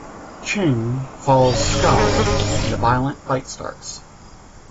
Ching follows Skull and a violent fight starts.